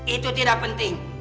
itu tidak penting